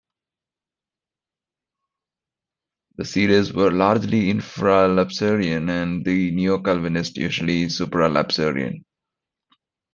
The Seceders were largely infralapsarian and the Neo-Calvinists usually supralapsarian.